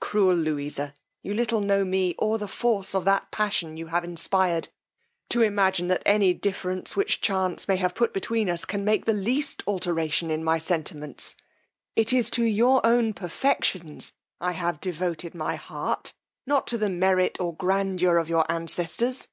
Cruel Louisa! you little know me, or the force of that passion you have inspired, to imagine that any difference which chance may have put between us, can make the least alteration in my sentiments! It is to your own perfections I have devoted my heart, not to the merit or grandeur of your ancestors.